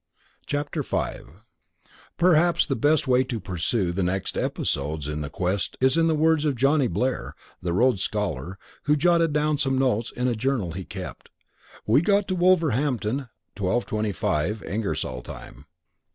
V Perhaps the best way to pursue the next episodes in the quest is in the words of Johnny Blair, the Rhodes Scholar, who jotted down some notes in a journal he kept: We got to Wolverhampton 12:25, Ingersoll time.